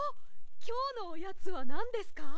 きょうのおやつはなんですか？